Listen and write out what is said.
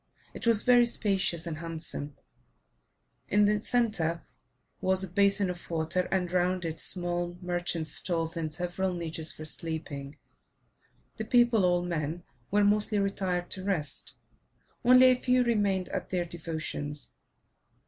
It was very spacious and handsome; in the centre was a basin of water, and round it small merchants' stalls and several niches for sleeping. The people all men were mostly retired to rest; only a few remained at their devotions.